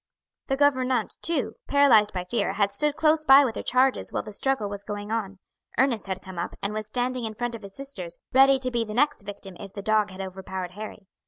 The gouvernante, too, paralysed by fear, had stood close by with her charges while the struggle was going on. Ernest had come up, and was standing in front of his sisters, ready to be the next victim if the dog had overpowered Harry.